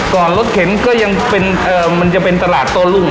ก่อนรถเข็นมันจะเป็นตลาดโต๊ะรุ่ง